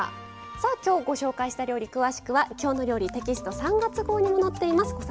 さあ今日ご紹介した料理詳しくは「きょうの料理」テキスト３月号にも載っています。